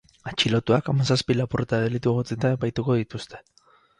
Atxilotuak hamazazpi lapurreta delitu egotzita epaituko dituzte.